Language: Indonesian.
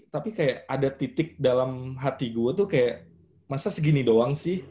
tapi kayak ada titik dalam hati gue tuh kayak masa segini doang sih